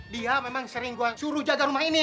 dia memang sering suruh jaga rumah ini